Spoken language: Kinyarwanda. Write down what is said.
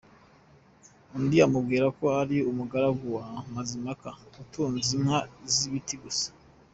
Undi amubwira ko ari umugaragu wa Mazimpaka utunze inka z’ibiti gusa.